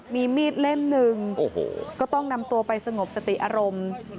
มีมีดเล่มหนึ่งก็ต้องนำตัวไปสงบสติอารมณ์